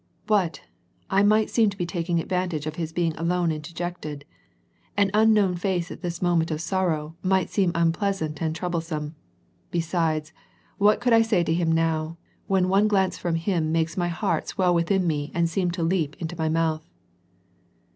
" What ! I might seem to be taking advantage of his being alone and dejected. An unknown face at this moment of sor row, might seem unpleasant and troublesome ; besides what could I say to him now, when one glance from him makes mj heart swell within me and seem to leap into my mouth."